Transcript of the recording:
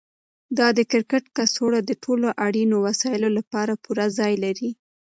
دا د کرکټ کڅوړه د ټولو اړینو وسایلو لپاره پوره ځای لري.